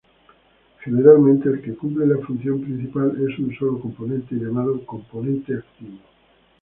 Generalmente el que cumple la función principal es un solo componente, llamado componente activo.